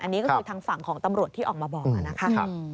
อันนี้ก็คือทางฝั่งของตำรวจที่ออกมาบอกนะคะ